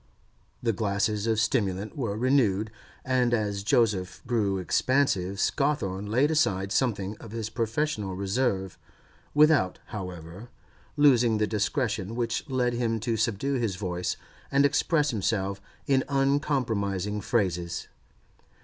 The glasses of stimulant were renewed, and as Joseph grew expansive Scawthorne laid aside something of his professional reserve, without, however, losing the discretion which led him to subdue his voice and express himself in uncompromising phrases.